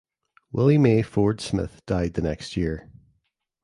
Willie Mae Ford Smith died the next year.